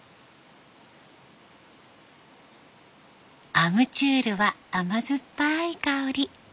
アムチュールは甘酸っぱい香り。